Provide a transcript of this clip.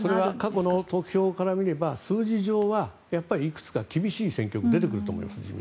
過去の得票から見れば数字上はいくつか厳しい選挙区が出てくると思います。